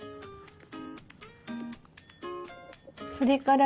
それから